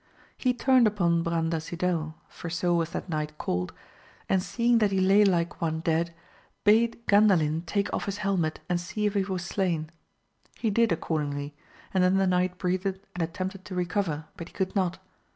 He turned upon Brandasidel, for so was that knight called, and seeing that he lay like one dead, bade Gandalin take off his helmet and see if he was slain. He did accordingly, and then the knight breathed and at tempted to recover, but he could not.